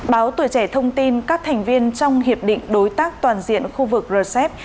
báo tuổi trẻ thông tin các thành viên trong hiệp định đối tác toàn diện khu vực rcep